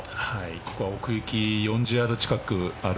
ここは奥行き４０ヤード近くある